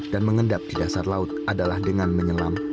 dan mengendap di dasar laut adalah dengan menyelam